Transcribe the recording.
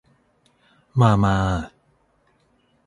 มามา